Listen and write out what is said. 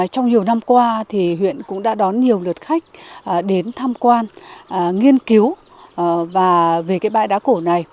trong nhiều năm qua huyện cũng đã đón nhiều lượt khách đến thăm quan nghiên cứu về bãi đá cổ này